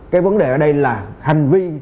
cái vấn đề ở đây là hành vi